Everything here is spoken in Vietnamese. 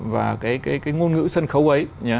và cái ngôn ngữ sân khấu ấy